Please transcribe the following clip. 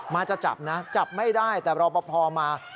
มาจะจับนะจับไม่ได้แต่เรารอพอมา